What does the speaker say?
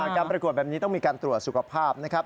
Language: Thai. การประกวดแบบนี้ต้องมีการตรวจสุขภาพนะครับ